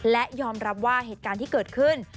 และยอมรับว่าเหตุการณ์ที่เกิดขึ้น